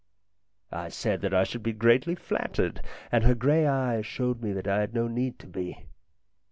I said that I should be greatly flattered, and her grey eyes showed me that I had no need to be.